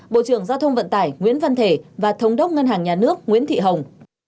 bộ trưởng giao thông vận tải nguyễn văn thể và thống đốc ngân hàng nhà nước nguyễn thị hồng